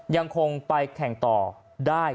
ยังคงไปแข่งต่อได้